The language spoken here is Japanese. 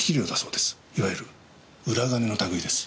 いわゆる裏金の類です。